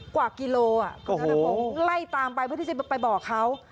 กว่ากิโลกรัมจะตามไปเพื่อที่จะไปบอกเขา